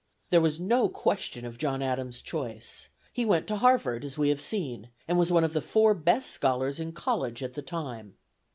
There was no question of John Adams' choice; he went to Harvard, as we have seen, and was one of the four best scholars in college at the time.